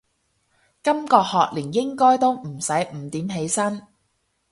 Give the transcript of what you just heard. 今個學年應該都唔使五點起身